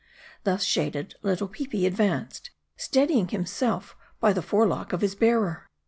Thus shaded, little Peepi advanced, steadying himself by the forelock of his bearer.